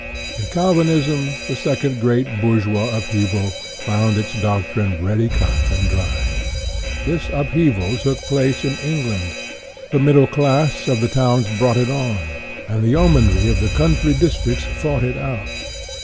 In Calvinism, the second great bourgeois up heaval found its doctrine ready cut and dried. This upheaval took place in England. The mid dle class of the towns brought it on, and the yeomanry of the country districts fought it out.